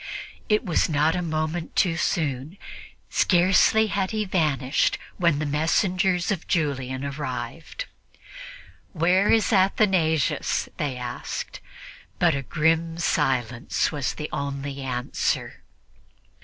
It was not a moment too soon. Scarcely had he vanished when the messengers of Julian arrived. "Where is Athanasius?" they asked; but a grim silence was the only answer.